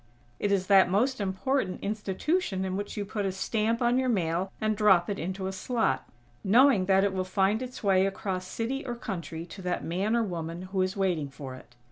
It is that most important institution in which you put a stamp on your mail and drop it into a slot, knowing that it will find its way across city or country to that man or woman who is waiting for it.